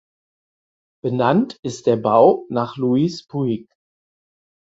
Benannt ist der Bau nach Luis Puig.